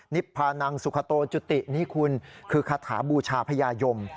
พานังสุขโตจุตินี่คุณคือคาถาบูชาพญายม